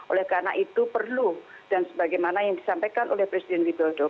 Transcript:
oleh karena itu perlu dan sebagaimana yang disampaikan oleh presiden joko widodo